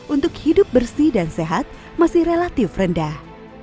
untuk hidup bersih dan sehat masih relatif rendah